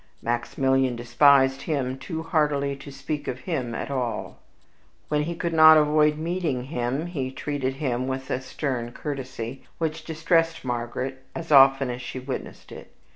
Maximilian despised him too heartily to speak of him at all. When he could not avoid meeting him, he treated him with a stern courtesy, which distressed Margaret as often as she witnessed it.